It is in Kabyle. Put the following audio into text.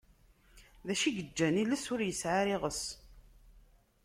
D acu yeǧǧan iles ur yesɛi ara iɣes?